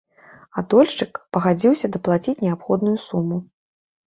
А дольшчык пагадзіўся даплаціць неабходную суму.